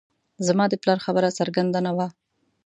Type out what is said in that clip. زما د پلار خبره څرګنده نه وه